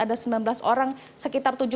ada sembilan belas orang sekitar tujuh puluh